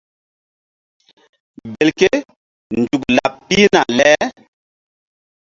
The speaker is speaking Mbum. Gelke nzuk laɓ pihna le.